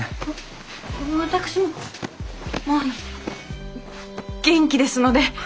私ももうあの元気ですので。